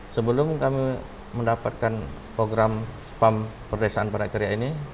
sebelum kami mendapatkan program spam perdesaan pada karya ini